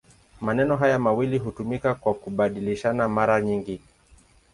Maneno haya mawili hutumika kwa kubadilishana mara nyingi.